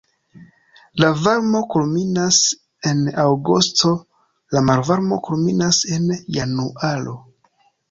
La varmo kulminas en aŭgusto, la malvarmo kulminas en januaro.